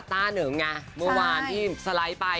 ต้าเหนิงไงเมื่อวานที่สไลด์ไป